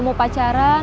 aku gak mau pacaran